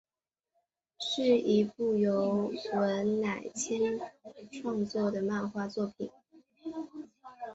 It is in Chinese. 是一部由文乃千创作的漫画作品。